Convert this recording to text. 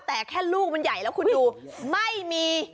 แต่แค่ลูกมันใหญ่แล้วคุณดูไม่มี